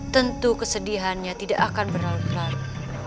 tentu kesedihannya tidak akan berlalu lalu